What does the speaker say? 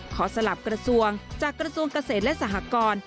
สลับกระทรวงจากกระทรวงเกษตรและสหกร